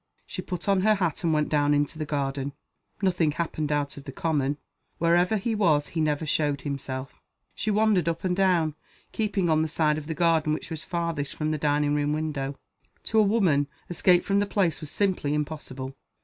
She put on her hat and went down into the garden. Nothing happened out of the common. Wherever he was he never showed himself. She wandered up and down, keeping on the side of the garden which was farthest from the dining room window. To a woman, escape from the place was simply impossible.